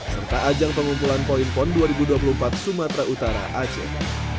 serta ajang pengumpulan poin pon dua ribu dua puluh empat sumatera utara aceh